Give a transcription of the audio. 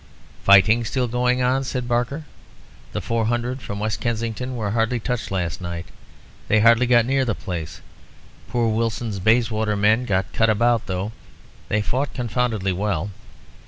"Fighting still going on," said Barker. "The four hundred from West Kensington were hardly touched last night. They hardly got near the place. Poor Wilson's Bayswater men got cut about, though. They fought confoundedly well.